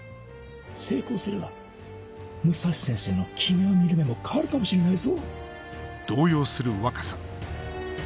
成功すれば武蔵先生の君を見る目も変わるかもしれないぞ。